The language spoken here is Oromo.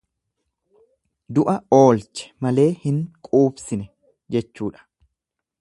Du'a oolche malee hin quubsine jechuudha.